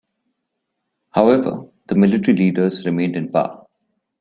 However, the military leaders remained in power.